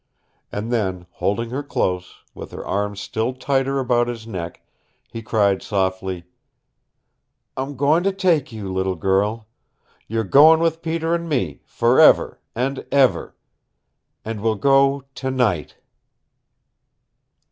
And then, holding her close, with her arms still tighter about his neck, he cried softly, "I'm goin' to take you, little girl. You're goin' with Peter and me, for ever and ever. And we'll go tonight!"